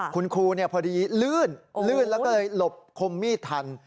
คุณครูพอดีลื่นแล้วลบคมมีดทัน